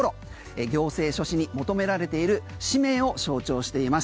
行政書士に求められている使命を象徴しています。